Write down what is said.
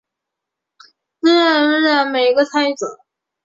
自然将一个随机变量赋予每个参与者。